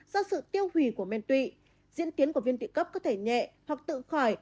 do sự tiêu hủy của men tụy diễn tiến của viên tự cấp có thể nhẹ hoặc tự khỏi